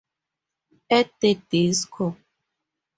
At The Disco.